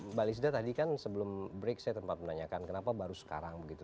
mbak lisda tadi kan sebelum break saya tempat menanyakan kenapa baru sekarang begitu